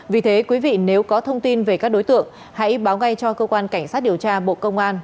vì thế quý vị nếu có thông tin về các đối tượng hãy báo ngay cho cơ quan cảnh sát điều tra bộ công an